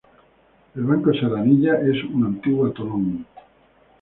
El Banco Serranilla es un antiguo atolón.